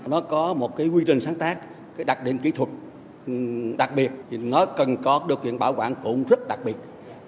nó có một quy trình sáng tác đặc điểm kỹ thuật đặc biệt nó cần có điều kiện bảo quản cũng rất đặc biệt